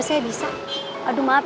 neng nanti aku nunggu